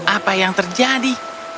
apa yang terjadi